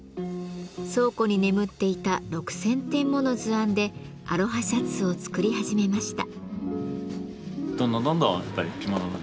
倉庫に眠っていた６，０００点もの図案でアロハシャツを作り始めました。